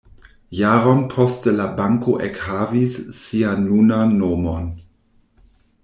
Jaron poste la banko ekhavis sian nunan nomon.